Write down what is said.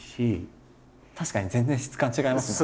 確かに全然質感違いますもんね。